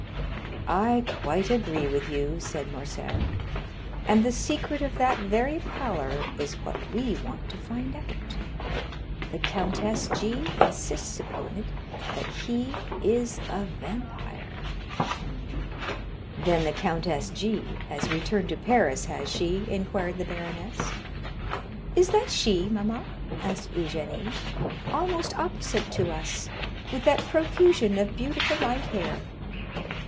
"I quite agree with you," said Morcerf; "and the secret of that very pallor is what we want to find out. The Countess G—— insists upon it that he is a vampire." "Then the Countess G—— has returned to Paris, has she?" inquired the baroness. "Is that she, mamma?" asked Eugénie; "almost opposite to us, with that profusion of beautiful light hair?"